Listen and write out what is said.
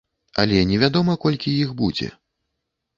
Але невядома, колькі іх будзе.